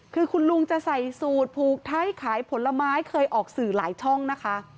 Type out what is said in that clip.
คือคุณลุงจะใส่สูตรผูกไทยขายผลไม้เคยออกสื่อหลายช่องนะคะ